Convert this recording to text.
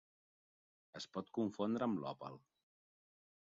Es pot confondre amb l'òpal.